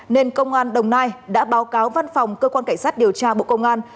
nên công an đồng nai đã báo cáo văn phòng cơ quan cảnh sát điều tra bộ công an